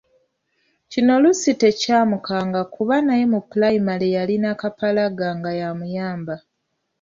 Kino Lucky tekyamukanga kuba naye mu pulayimale yalina Kapalaga nga y’amuyamba.